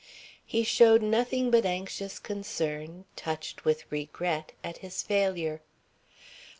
He showed nothing but anxious concern, touched with regret, at his failure.